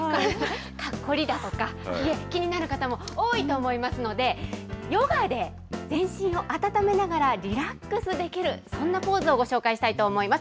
凝りだとか、気になる方も多いと思いますので、ヨガで全身を温めながらリラックスできる、そんなポーズをご紹介したいと思います。